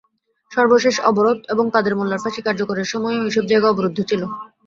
সর্বশেষ অবরোধ এবং কাদের মোল্লার ফাঁসি কার্যকরের সময়ও এসব জায়গা অবরুদ্ধ ছিল।